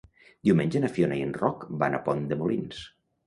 Diumenge na Fiona i en Roc van a Pont de Molins.